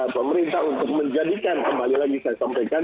pemerintah untuk menjadikan kembali lagi saya sampaikan